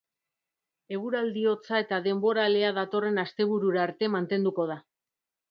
Eguraldi hotza eta denboralea datorren asteburura arte mantenduko da.